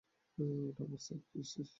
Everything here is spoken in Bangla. ওটা আমার সাইকিয়াট্রিস্ট।